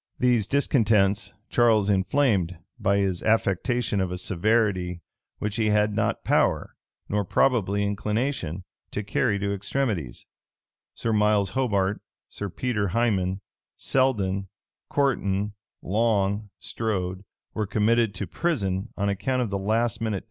These discontents Charles inflamed by his affectation of a severity which he had not power, nor probably inclination, to carry to extremities. Sir Miles Hobart, Sir Peter Heyman, Selden, Coriton, Long, Strode, were committed to prison on account of the last tumult in the house, which was called sedition.